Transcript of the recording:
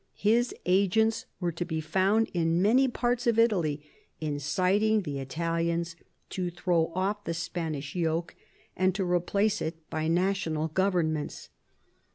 His agents were to be found in many parts of Italy inciting the Italians to throw off the Spanish yoke and to replace it by national governments.